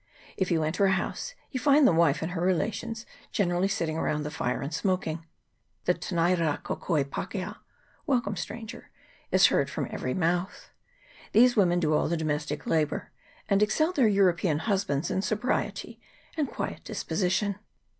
If you enter a house, you find the wife and her relations generally sitting around the fire and smoking. The " tene'i ra kokoe pakea " (wel come, stranger) is heard from every mouth. These women do all the domestic labour, and excel their European husbands in sobriety and quiet disposition.